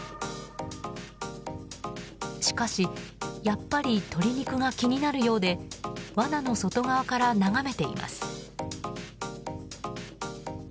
しかしやっぱり鶏肉が気になるようでわなの外側から眺めています。